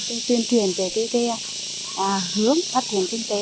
tuyên truyền về hướng phát triển kinh tế